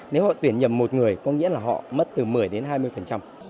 nếu họ tuyển nhầm một người có nghĩa là họ mất từ một mươi đến hai mươi phần trăm